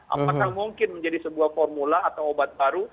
apakah mungkin menjadi sebuah formula atau obat baru